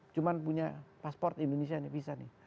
cuma punya pasport indonesia ini bisa nih